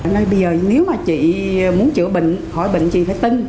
nói bây giờ nếu mà chị muốn chữa bệnh khỏi bệnh chị phải tin